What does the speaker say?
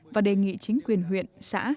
và đề nghị chính quyền huyện xã